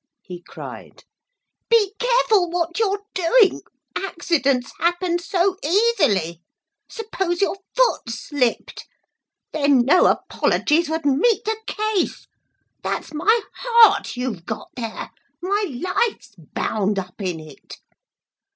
he cried. 'Be careful what you're doing. Accidents happen so easily! Suppose your foot slipped! Then no apologies would meet the case. That's my heart you've got there. My life's bound up in it.'